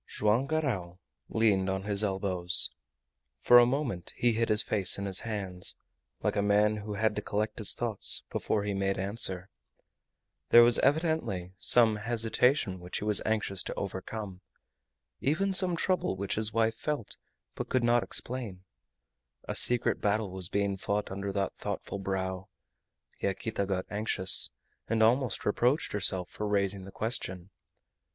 Joam Garral leaned on his elbows. For a moment he hid his face in his hands, like a man who had to collect his thoughts before he made answer. There was evidently some hesitation which he was anxious to overcome, even some trouble which his wife felt but could not explain. A secret battle was being fought under that thoughtful brow. Yaquita got anxious, and almost reproached herself for raising the question.